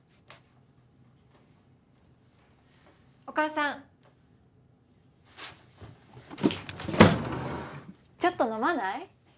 お母さんちょっと飲まない？